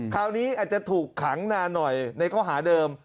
คราวนี้อาจจะถูกขังนานหน่อยในข้อหาเดิม